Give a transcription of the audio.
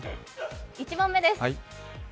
１問目です。